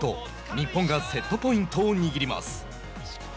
日本がセットポイントを握ります。